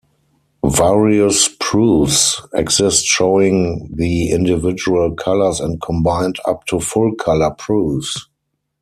Various proofs exist showing the individual colours and combined up to full colour proofs.